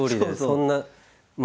そんな。